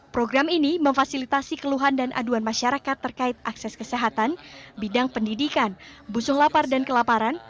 program ini memfasilitasi keluhan dan aduan masyarakat terkait akses kesehatan bidang pendidikan musuh lapar dan kelaparan